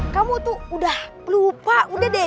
kamu tuh udah lupa udah deh